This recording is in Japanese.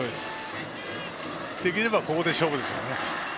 できればここで勝負ですよね。